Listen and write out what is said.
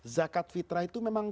zakat fitrah itu memang